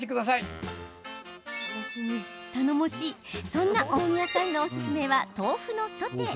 そんな大宮さんのおすすめは豆腐のソテー。